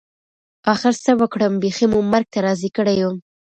اخر څه وکړم بيخي مو مرګ ته راضي کړى يم.